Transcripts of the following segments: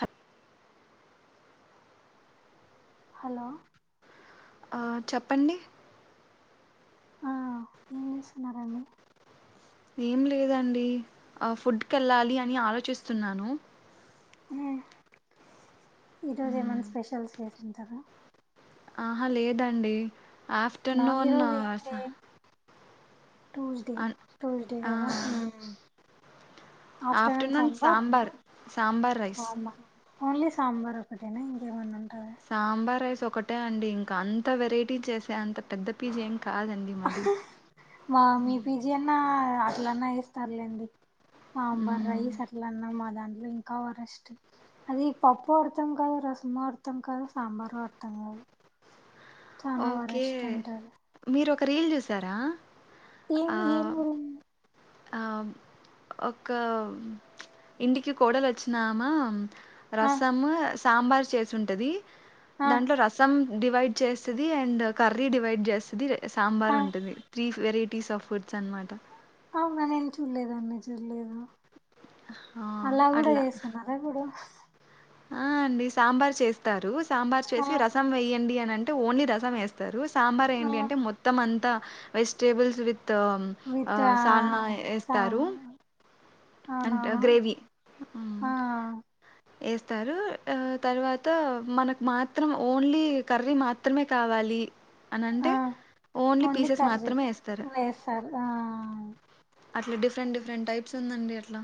Hatf hello ఆ చప్పండి ఆ ఏమ్ జేస్ న్నారండి ఏం లేదండి ఆ ఫుడ్ కేళ్ళాలి అని ఆలోచిస్తున్నాను హే ఈ రోజ్ మ్మ్. ఎమన్ స్పెషల్స్ చేస్ కుంటారా ఆహా లేదండి ఆఫ్ టర్ నా నూన్ ఆ ఈరోజు సా ట్యూస్ డే ట్యూస్ డే ఆ, కదా ఉమ్ afternoon afternoon sambar sambar rice సాంబా ఓన్ లీ సాంబార్ ఒకటేనా ఇంకేమన్నా ఉంటాద్ సాంబా రైస్ ఒకటే అండి ఇంకా అంత వెరైటీ చేసేంత పెద్ద పీజీ ఏం కాదండి ఆ హ్ మాది మా మీ పీజీ అన్నా అట్లన్నా ఏస్ తరులేండి సాంబార్ మ్మ్. రైస్ అట్లాన్నా మా దాంట్లో ఇంకా వరస్టు అది పప్పో అర్ దమ్ కాదు రసమో అర్ దమ్ కాదు సాబారో అర్ దమ్ గాదు ఓకే మీరోక రీల్ జుసారా ఏం ఏము ఒక ఇంటికి కోడలోచ్చినామ ఆ రసం సాంబార్ చేసుంటది ఆ దాంట్లో రసం డివైడ్ చేసి అండ్ కర్రీ డివైడ్ చేస్తది సాంబార్ ఆ ఉంటుంది త్రీ వెరైటీస్ ఆఫ్ ఫుడ్స్ అన్మాట అవ్నా నేను చూడలేదు అండి చూడలేదు ఆ అలా గూడా అట్లా జేస్ తునర ఇపుడు ఆ అండి సాంబార్ చేస్తారు సాంబార్ ఆ చేసి రసం వేయండి అని అంటే ఓన్ లీ రసం వేస్ తరు సాంబార్ ఆ ఎయండి అంటే మొత్తం అంతా వెజ్ టేబుల్స్ విత్ తోమ్ ఆ సాల్ నా సా ఎస్తారు అంట అవునవును గ్రేవి ఆ ఎస్తారు ఆహ్ తర్ వాత మనక్ మాత్రం ఓన్ లీ కర్రీ మాత్రమే కావాలి లి ఆ అనంటే ఓన్లీ పీసెస్ మాత్రమే ఎస్తరు వేస్తారు ఆ అట్ల డిఫరెంట్ డిఫరెంట్ టైప్స్ ఉందండి అట్ల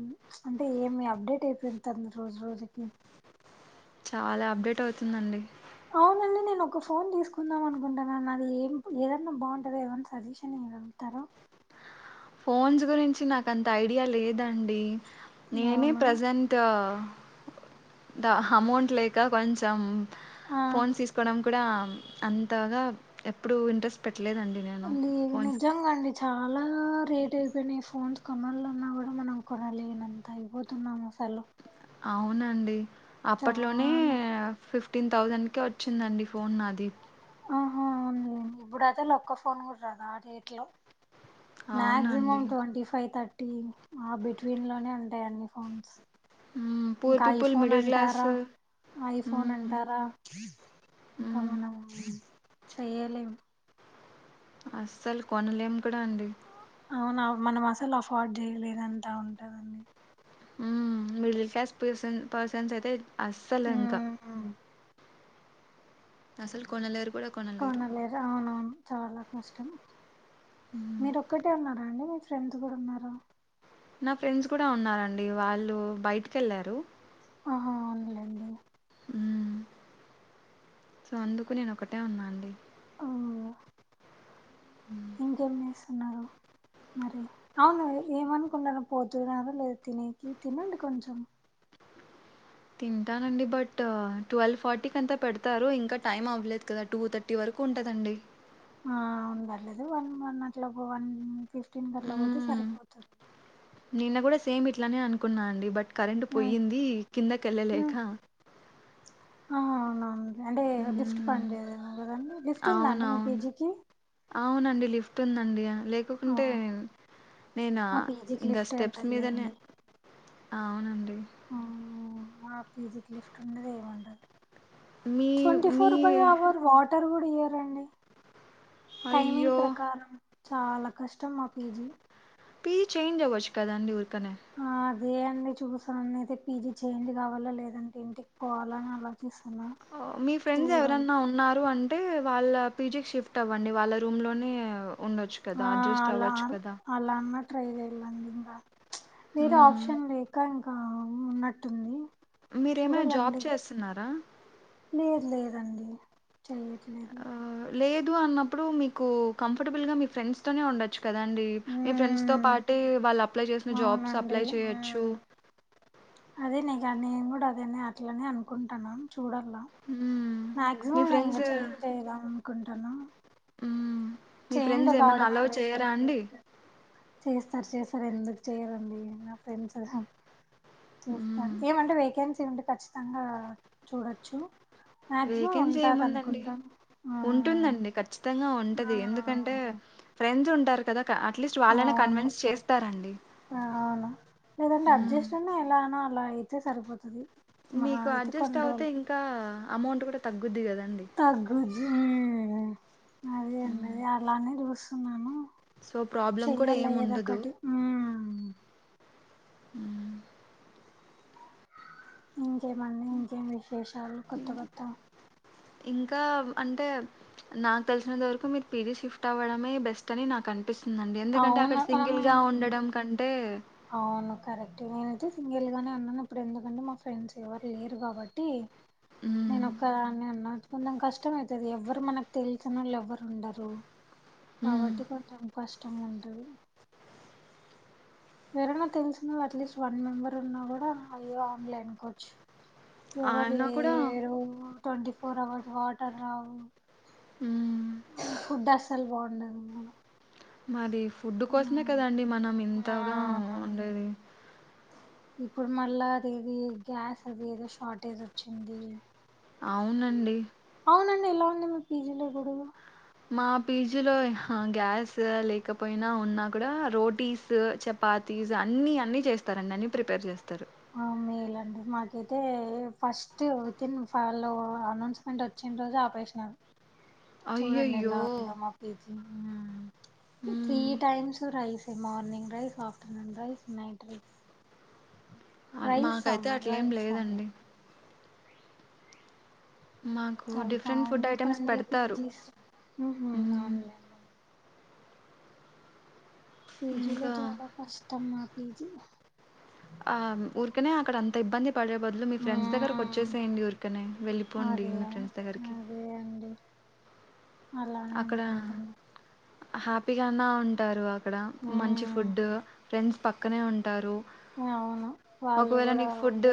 మ్ అంటే ఏమి అప్డేట్ అయిపోయితాంది రోజు రోజుకి చాలా అప్డేట్ అవుతుందండి అవునండి నేను ఒక ఫోన్ తీసుకుందాం అనుకుంటన్నా నాది ఏం ఏదన్నా బావుంటది ఎమో అని సజెషన్ ఇ గలుగుతార ఫోన్స్ గురించి నాకంత ఐడియా లేదండి నేనే అవునా ప్రెసెంట్ అ ద అమౌంట్ లేక కొంచెం ఆ ఫోన్స్ తీసుకోవడం కుడా అంతగా ఎప్పుడూ ఇంట్రెస్ట్ పెట్ లేదు నిజంగ అండి చాలా రేట్ అయిపోయినాయి ఫోన్స్ కొనాలన్నా గూడా మనం కొనలేను అంత అయిపోతున్నాం అసలు అవునండి అప్పట్లోనే చానా ఫిఫ్ టీన్ థౌజండ్కే వచ్చిందండి ఫోన్ నాది ఇప్పుడు అయితే లొక్క ఫోన్ గూడా రాదు ఆ రేట్ లో అవునండి. మాక్సిమం ట్వంటీ ఫైవ్ థర్ టిన్ ఆ బిట్వీన్ లోనే ఉంటయి అన్ని ఫోన్స్ హ్మ్. పూర్ ఇంక పీపుల్, ఐఫోన్ మిడిల్ క్లాస్ అంటారా ఐఫోన్ హ్మ్. అంటారా ఇంకా హ్మ్. మనం చెయ్యలేము అస్సలు కొనలేము కూడా అండి అవునా మనం అసలు అఫోర్డ్ చేయలేనంతా ఉంటదండి ఉమ్ మిడిల్ క్లాస్ పిర్సన్ పర్సన్స్ అయితే అస్సలు ఇంక ఉమ్ అసలు కొనలేరు కొనలేరు అవునవును చాలా కష్టం హ్మ్. మీరు ఒక్కటే ఉన్నారా అండి మీ ఫ్రెండ్స్ గూడ ఉన్నారా నా ఫ్రెండ్స్ కూడ ఉన్నారండి వాళ్ళు బయటికెళ్ళారు ఆహా ఉన్నిలేండి ఇగ మ్ సో అందుకు నేను ఒకటే ఉన్నా అండి ఆ హ్మ్. ఇంకేం చేస్తున్నరూ మరి అవును ఏమనుకుంటరు పోతున్నారు లేద తినేకి తినండి కొంచెం తింటానండి బట్ టువెల్వ్ ఫార్టీ కంతా పెడతారు ఇంకా టైమ్ అవ్వలేదు కదా టూ థర్టీ వరకు కుంటదండి ఆవున్ పర్లేదు వన్ వన్ అట్ల వన్ ఫిఫ్టీన్ గట్ల పోతే హ్మ్ సరిపోతది నిన్న గూడా సేమ్ ఇట్లానే అనుకున్నా అండి బట్ కరెంట్ హ్మ్ పోయిందీ కిందకెళ్ళలేక ఆహ్ అవునా అండి అంటే లిఫ్ట్ హ్మ్ పన్ చేయదేమో గదండి లిఫ్ట్ ఉందా అండి మీ అవునవును పిజీకి అవునండి లిఫ్ట్ ఉందండి లేకుకుంటే నేనా మా పీజీకి ఇంగ లిఫ్ట్ స్టెప్స్ మీదనే ఉండదులేండి ఆవునండి మ్ మా పిజికి లిఫ్ట్ ఉండదు ఏముండదు మీ ట్వంటీ మీ four by hour water గూడ ఇయరండి టైమింగ్ అయ్యో ప్రకారం చాలా కష్టం మా పీజీ పిజి చేంజ్ అవచ్చు కదండి ఉర్కనే ఆ అదే అండి చూసానున్న అయితే పీజీ చేంజ్ కావాలా లేదంటే ఇంటికి పోవాలని అలా ఆ మీ ఫ్రెండ్స్ ఎవరన్నా ఉన్నారు అంటే అంటే వాళ్ళ పీజీకి షిఫ్ట్ అవ్వండి వాళ్ళ రూంలోనే ఉండొచ్చు కదా, ఆ అడ్జస్ట్ అలా అవ్వచ్చు కదా. అలా అన్నా ట్రై చేయాలండి ఇంకా ప్చ్ వేరే హ్మ్ ఆప్షన్ లేక ఇంకా ఉన్నట్టుంది. మీరు ఏమై జాబ్ చూడాలండి చేస్తున్నారా? లేదు లేదండి చెయ్యట్లేదు. ఆ లేదు అన్నప్పుడు మీకు కంఫర్టబుల్ గా మీ ఫ్రెండ్స్ తోనే ఉండొచ్చు కదాండి. మీ ఫ్రెండ్స్ తో మ్మ్ పాటే వాళ్ళు అప్లై చేసిన జాబ్స్ అవునండి అప్లై చేయొచ్చు. మ్మ్ అదే నీగ నేను కూడా అదేనే అట్లనే అనుకుంటాను. చూడల్ల హ్మ్. మీ మాక్సిమం నేను ఇంకా ఫ్రెండ్స్ చేంజ్ చేదాం అనుకుంటాను. ఉమ్ మీ ఫ్రెండ్స్ ఏమైన్నా అలవ్ బెస్ట్ చేయరా అండి? చేస్తారు చేస్తారు ఎందుకు చేయరు అండి నా ఫ్రెండ్స్హ చేస్తారు హ్మ్. ఏమంటే వేకెన్సీ ఉంటే ఖచ్చితంగా చూడొచ్చు. మాక్సిమం వేకెన్సీ ఉంటాది ఏముందండి. అనుకుంటాను ఆ ఉంటుందండి ఖచ్చితంగా ఆ ఉంటది ఎందుకంటే ఫ్రెండ్స్ ఉంటారు కదా క అట్లీస్ట్ వాళ్ళనే అవును కన్విన్స్ చేస్తారండి. అవును లేదంటే హ్మ్. అడ్జస్ట్ అనే ఎలా అన అలా అయితే సరిపోతది. మహా మీకు అయితే అడ్జస్ట్ కొన్ని అవుతే రోజులు ఇంకా అమౌంట్ కూడా తగ్గుద్ది కదా. తగ్గుద్ది మ్మ్ అదే హ్మ్. అన్నది అలానే చూస్తున్నాను. సో, ప్రాబ్లమ్ కూడా చెయ్యాల ఏముండదు. ఏదొక్కటి ఉమ్ మ్ ఇంకా ఎమ్ అండి ఇంకా ఎమ్ విశేషాలు కొత్త కొత్తా ఇంకా అంటే నాకు తెలిసినంత వరకు మీరు పీజీ షిఫ్ట్ అవ్వడమే బెస్ట్ అని నాకు అని నిపిస్తుందండి ఎందుకంటే అక్కడ అవును ఆ సింగిల్ గా ఉండడం కంటే అవును కరెక్ట్ నేనైతే సింగిల్ గానే ఉన్నాను. ఇప్పుడు ఎందుకంటే మా ఫ్రెండ్స్ ఎవరు లేరు కాబట్టి. నేను హ్మ్. ఒక్కదాన్ని ఉన్నా కొంచం కష్టమ అయితది. ఎవ్వరు మనకు తెలిసిన వాళ్ళు ఎవరు ఉండరు. హ్మ్. కాబట్టి కొంచెం కష్టంగా ఉంటది. వేరోలా తెలిసిన అట్లీస్ట్ వన్ మెంబర్ ఉన్నా కూడా అయో ఆన్లైన్ కోచ్ ఎవరు ఆయన కూడా లేరు ట్వంటీ ఫోర్ అవర్స్ వాటర్ రావు. ఉమ్ ఫుడ్ అసలు బావుండదుమొ మరి ఫుడ్ కోసమే కదండి మనం ఇంతగా ఆ ఉండేది. ఇప్పుడు మళ్ళా అది ఏది గ్యాస్ అది ఏదో షార్టేజ్ వచ్చింది. అవునండి నిమి పీజీలో గొడవలు మా పీజీలో హ గ్యాస్ లేకపోయినా ఉన్నా కూడా రోటీస్, చపాతీ పిజ్జా అన్ని అన్ని చేస్తారుని అన్ని ప్రిపేర్ చేస్తారు. మెలండి మాకైతే first within five announcement వచ్చిన రోజు ఆపేసారు. చూడండి అయ్యయ్యో! ఎలా ఉందొ మా పీజీ ఉమ్ త్రీ హ్మ్. టైమ్స్ రైసె morning rice, afternoon rice, night rice. Rice మాకైతే సాంబార్ అట్ల ఏం రైస్ సాంబార్ లేదండి. మాకు తలి డిఫరెంట్ ఫుడ్ కాయినప్పుడు ఐటమ్స్ అండి పెడతారు పీజీస్ ఉహు మ్మ్ అవును లె పీజీలో ఇంకా చాలా కష్టమ్ మా పీజీ ఆ ఊరికనే అక్కడ అంత ఇబ్బంది పడే బదులు మీ ఫ్రెండ్స్ దగ్గరకి మ్మ్. వచ్చేసేయండి ఊరికనే వెళ్ళిపోండి అదే మీ ఫ్రెండ్స్ దగ్గరకి అదే అండి అలానే అక్కడ అనుకుంటుంది హ్యాపీగాన్నా ఉంటారు ఇక్కడ మంచి ఫుడ్, మ్మ్ ఫ్రెండ్స్ పక్కనే ఉంటారు. అవును వాళ్ళు ఒకవేళ కూడా నీకు ఫుడ్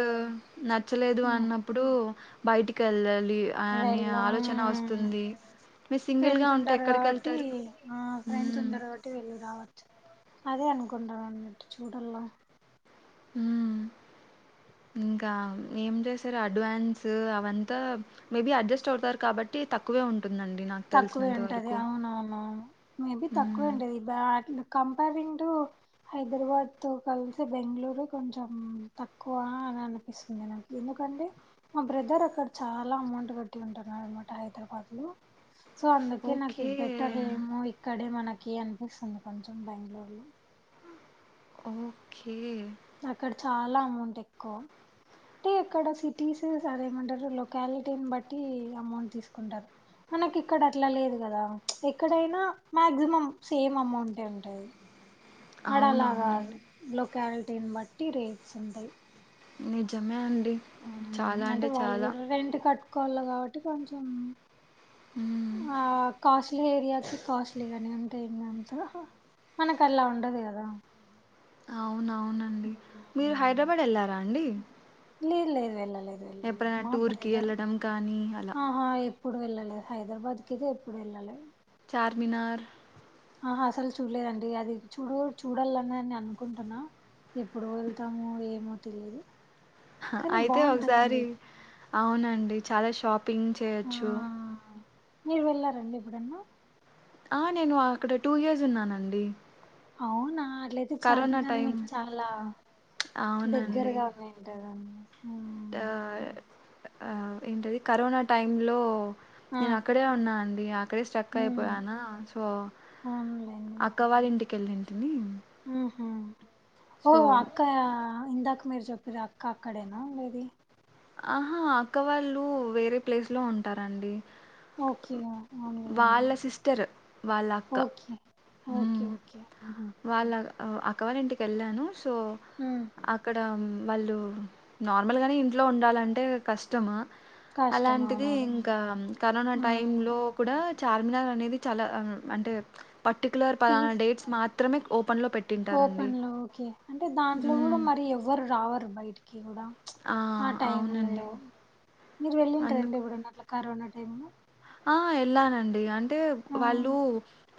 నచ్చలేదు అన్నప్పుడు బయటికి వెళ్ళాలి అనే వెళ్ళ ఆలోచన వస్తుంది. మీరు సింగిల్గా ఫ్రెండ్స్ ఉంటే ఉంటారు ఎక్కడికి కాబట్టి వెళ్తారు ఆ ఫ్రెండ్స్ మ్మ్ ఉంటారు కాబట్టి వెళ్ళి రావచ్చు. అదే అనుకుంటానన్నట్టు చూడలా ఉమ్ ఇంకా ఏం చేశారు అడ్వాన్స్ అవంతా మేబీ అడ్జస్ట్ అవుతారు కాబట్టి తక్కువే ఉంటుం తక్కువే ఉంటది అవున అవును మేబి తక్కువె హ్మ్. ఉంటది బ్యాడల కంపరింగ్ హైదరాబాద్ తో కలిసి బెంగళూరు కొంచం తక్కువ అని అనిపిస్తుంది నాకి ఎంద్ కండి మా బ్రదర్ అక్కడ చాలా ఎమౌంట్ కట్టి ఉంటారు అనమాట హైదరాబాద్ లో సో అందుకే నాకి ఓకే. ది బెటర్ ఏమో ఇక్కడే మనకి కి అనిపిస్తుంది కొంచెం బెంగళూరు లో ఓకే అక్కడ చాలా అమౌంట్ ఎక్కువ అంటే ఇక్కడ సిటీస్ సరేమంటారు లొకాలిటీని బట్టి అమౌంట్ తీసుకుంటారు మనకి ఇక్కడ అట్లా లేదు కదా ప్చ్ ఎక్కడైనా మాక్సిమం సేమ్ అమౌంట్ ఉంటది ఆడ అలాగాదు అవునవునండి. లొకాలిటీని బట్టి రేట్స్ ఉంటాయి నిజమేన్ ఉమ్ అంటే వాళ్ళు కూడా రెంట్ కట్టు కోళ్ల కాబట్టి కొంచెం హ్మ్. ఆ కాస్ ట్లా ఏరియాస్ కాస్ట్లీ గానే ఉంటాయి ఇంకా అంత హ మనకి అల్లా ఉండదు కదా అవున అవునండి మీరు హైడ్రాబాడ్ వెళ్ళారా అండి లేద్ లేదు వెళ్ళలేదు వెళ్ళలేదు ఎప్పుడైనా మా టూర్‌కి బ్రదర్ ఎళ్ళడం కానీ అలా? ఆహా ఎ ఎప్పుడు వెళ్ళాలేదు హైదరాబాద్ కిది ఎప్పుడు వెళ్ళాలే చార్మినార్ ఆహ అసలు చూడలేదండి అది చూడు చూడాలనిని అనుకుంటున్నా ఎప్పుడు వెళ్తామో ఏమో తెలియదు హ కానీ అయితే ఒకసారి బాగుంటదండి అవునండి చాలా షాపింగ్ ఆ చేయొచ్చు మీరు వెళ్ళారండి ఎప్పుడన్నా ఆ నేను అక్కడ టూ ఇయర్స్ ఉన్నానండి అవునా అట్లయితే కరోనా చార్మినార్న్ టైం మీకు చాలా దగ్గరగా ఉన్నాంటదండి అ అ ఏంటది కరోనా టైమ్ లో ఆ నేను అక్కడే ఉన్నా అండి అక్ అక్కడే స్ట్రక్ ఉమ్ అయిపోయాన సో అక్క వాళ్ళ ఇంటికి వెళ్ళింటిని ఉహ్మ్ ఓ అక్క ఇందాక మీరు చెప్పార్ అక్క అక్కడేనా ఉండేది ఆహా అక్క వాళ్ళు వేరే ప్లేస్ లో ఉంటారండి ఓకే ఇగా అవునులేండి వాళ్ళ సిస్టర్ వాళ్ళ అక్క ఓకే ఓకే ఓకే అ అక్కవాళ ఇంటికి వెళ్ళాను సో ఉమ్ అక్కడ మ్ వాళ్ళు నార్మల్గానే ఇంట్లో ఉండాలంటే కష్టమా కష్టం అలాంటిది అవునవును ఇంకా కరోనా టైమ్ హ్మ్ లో కూడా చార్మినార్ అనేది చాలా అం అంటే పర్టికులర్ పలానా డేట్స్ మాత్రమే ఒప్ కొపన్ లో ఓకే అంటే దాంట్లో కూడా హ్మ్ మరి ఎవ్వరు రావరు బయటికి కూడా ఆ టైమ్ లో అవునండి మీరు వెళ్ళుంట రండి అందుకు ఇప్పుడున్న అట్లా కరోనా టైమ్ లో ఆ ఎల్లానండి అంటే ఆ వాళ్ళు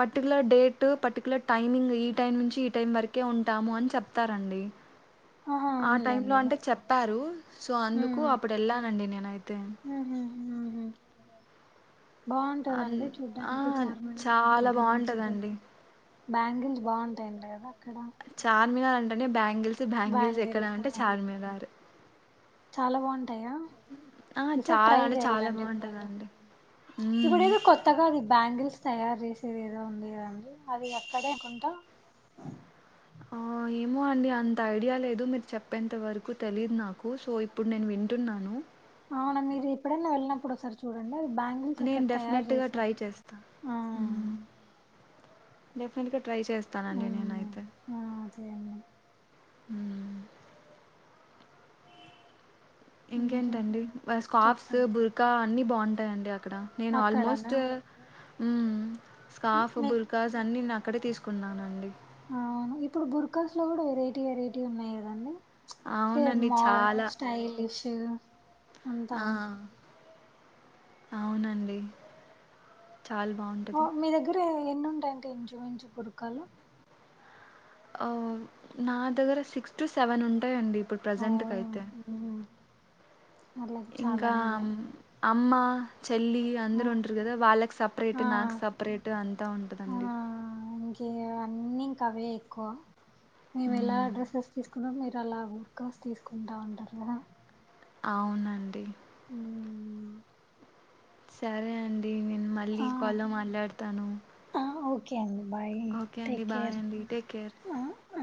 పర్టికులర్ డేటు పర్టికులర్ టైమింగ్ ఈ టైం నుంచి ఈ టైం వరకే ఉంటాము అని చెప్తారండి ఆహా ఆ టైమ్ లో అవునులేండి అంటే చెప్పారు సో అందుకు హ్మ్ అప్పుడు వెళ్ళానండి నేనైతే హుహు హుహు అన్ బాగుంటదండి ఆ చూడ్డానికి చార్మినార్ చాలా దగ్గర నుంచి బాగుంటదండి బ్యాంగిల్స్ బాగుంటాయంట కదా అక్కడ చార్మినార్ అంటనే బ్యాంగిల్స్ బ్యాంగిల్స్ ఎక్కడ అంటే చార్మినార్ చాలా బాగుంటాయా ఆ! ఈసర్ ట్రై చాలా అంటే చాలా చెయాలండి ఎపుడన బావుంటదండి. ఇప్పుడు హ్మ్. ఏది కొత్తగాది బ్యాంగిల్స్ తయారు చేసేది ఏదో ఉంది కదా అండి అది అక్కడేకొంట ఆఇ ఏమో అండి అంత ఐడియా లేదు మీరు చెప్పేంత వరకు తెలీదు నాకు సో ఇప్పుడు నేన్ వింటున్నాను అవున మీరు ఎప్పుడన్న వెళ్నపుడు ఓసారి చూడండి డే బ్యాంగిల్స్ నేను అకాడ్ తయారు డెఫినెట్గా చేస్తారు ట్రై చేస్తా డెఫినెట్గా ట్రై చేస్తానండి నేను మ్మ్ అయితే ఆ అదే అండి హు ఇంకేం ఇంకేంటండి వ స్కాప్స్ చెప్పాలి బుర్కా అన్ని బాగుంటాయి అండి అక్కడ ఇక్కడ నేను అక్కడనా ఆల్మోస్ట్ మ్ స్కాఫ్ మీకు బుర్కాస్ అన్ని నాకు అక్కడే తీసుకున్నానండి అవును ఇప్పుడు బుర్కాాస్ లో కూడా వెరైటీ వెరైటీ ఉన్నాయి కదండి టే అవునండి మో చాలా స్టైలిష్ అంతా ఆ అవునండి చాల్ బాగుంటది ఎన్నున్టై అంటి ఇంచుమించు బుడుకాలు అ నా దగ్గర సిక్స్ టు సెవెన్ ఉంటాయండి ఇప్పుడు ఓ ప్రజెంట్ కి ఏం, అయితే ఉమ్, అట్లయితే ఇంకా చాలానే ఆమ్ ఉన్నాయి అమ్మ చెల్లి ఆ, అందరు ఉంటారు కదా వాళ్ళకి ఆ సాప్రేట్ నాకు సప్రేట్ అంతా ఉంటదండి ఓంకే అన్నీ ఇంక అవే ఎక్కువ మేము ఎలా డ్రెస్సెస్ తీసుకున్నా మీరు అలా కాస్ తీసుకుంటా ఉంటారు కదా అవునండి ఉమ్ సరే అండి నేను మళ్ళీ ఆ కాల్లో మాట్లాడతాను బాయి ఓకే టేక్ అండి బాయ్ కేర్ అండి టేక్ కేర్ ఆ అ